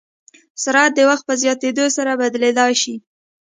سرعت د وخت په زیاتېدو سره بدلېدای شي.